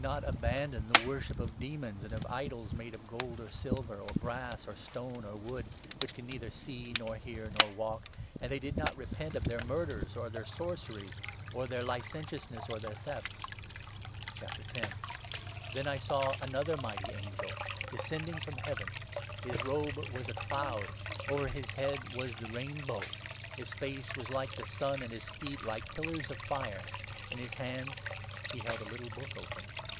not abandon the worship of ' demons, and of idols made of gold or silver or brass or stone or wood, which can neither see, nor hear, nor walk '; and they did not repent of their murders, or their sorceries, or their licentiousness, or their thefts. Then I saw another mighty angel, descending from Heaven. His robe was a cloud ; over his head was the rainbow ; his face was like the sun, and his feet like pillars of fire ; in his hand he held a little book open.